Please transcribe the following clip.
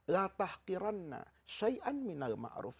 la tahkiranna shai'an minal ma'ruf